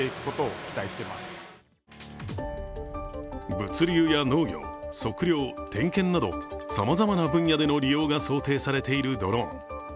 物流や農業、測量、点検などさまざまな分野での利用が想定されているドローン。